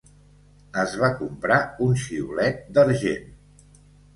Es va comprar un xiulet d'argent.